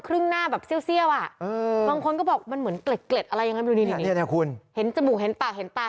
ครึ่งหน้าแบบเสี้ยวอ่ะ